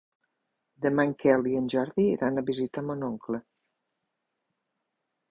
Demà en Quel i en Jordi iran a visitar mon oncle.